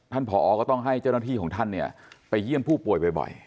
ท่านพออ๋อก็ต้องให้เจ้าหน้าที่ของท่านเนี่ยไปเยี่ยมผู้ป่วยบ่อย